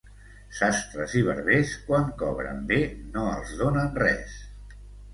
Sastres i barbers, quan cobren bé no els donen res.